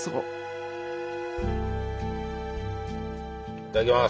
いただきます。